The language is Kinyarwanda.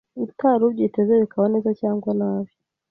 utari ubyiteze bikaba neza cyangwa nabi